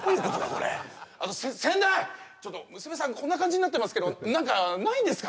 これあと先代ちょっと娘さんこんな感じになってますけど何かないんですか？